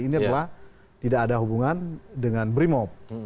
ini adalah tidak ada hubungan dengan brimob